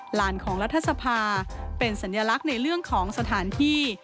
หลานของรัฐสภาเป็นสัญลักษณ์ในเรื่องของสถานที่